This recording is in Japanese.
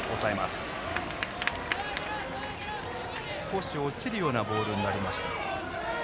少し落ちるようなボールになりました。